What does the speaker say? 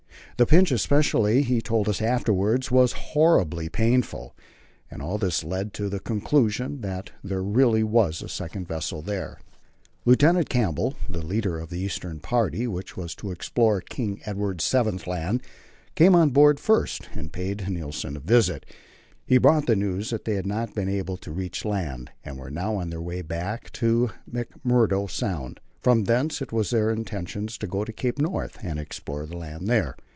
The pinch especially, he told us afterwards, was horribly painful, and all this led him to the conclusion that there really was a second vessel there. Lieutenant Campbell, the leader of the eastern party, which was to explore King Edward VII. Land, came on board first, and paid Nilsen a visit. He brought the news that they had not been able to reach land, and were now on their way back to McMurdo Sound. From thence it was their intention to go to Cape North and explore the land there.